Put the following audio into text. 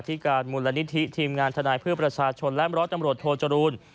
ที่การมูลนิธิทีมงานธนายพืชประชาชนและรถทำรถโทจรูน